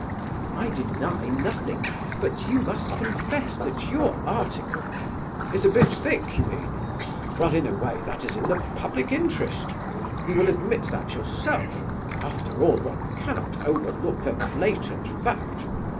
"I deny nothing, but you must confess that your article—" "Is a bit thick, you mean? Well, in a way that is in the public interest; you will admit that yourself, and after all one cannot overlook a blatant fact.